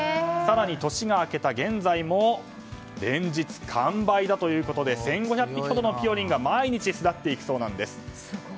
更に年が明けた現在も連日完売だということで１５００匹ほどのぴよりんが毎日、巣立っていくそうなんです。